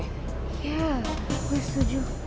iya gue setuju